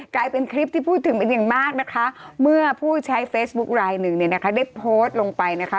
กลายเป็นคลิปที่พูดถึงเป็นอย่างมากนะคะเมื่อผู้ใช้เฟซบุ๊คลายหนึ่งเนี่ยนะคะได้โพสต์ลงไปนะคะ